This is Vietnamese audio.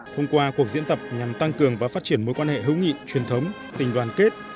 thông qua cuộc diễn tập nhằm tăng cường và phát triển mối quan hệ hữu nghị truyền thống tình đoàn kết